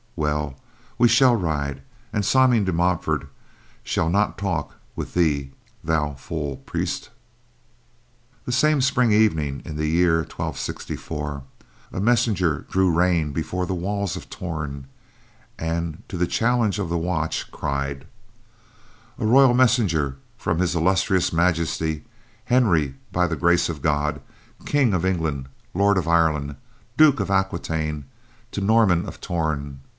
Well, we shall ride, and Simon de Montfort shall not talk with thee, thou fool priest." That same spring evening in the year 1264, a messenger drew rein before the walls of Torn and, to the challenge of the watch, cried: "A royal messenger from His Illustrious Majesty, Henry, by the grace of God, King of England, Lord of Ireland, Duke of Aquitaine, to Norman of Torn.